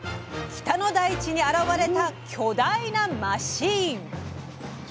北の大地に現れた巨大なマシーン。